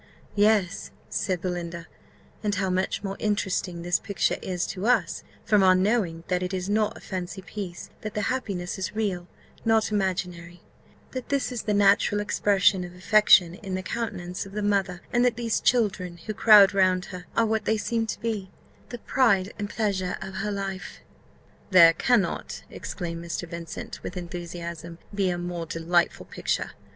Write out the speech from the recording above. "Yes," said Belinda, "and how much more interesting this picture is to us, from our knowing that it is not a fancy piece; that the happiness is real, not imaginary: that this is the natural expression of affection in the countenance of the mother; and that these children, who crowd round her, are what they seem to be the pride and pleasure of her life!" "There cannot," exclaimed Mr. Vincent, with enthusiasm, "be a more delightful picture!